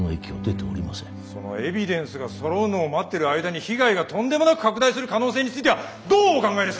そのエビデンスがそろうのを待ってる間に被害がとんでもなく拡大する可能性についてはどうお考えですか？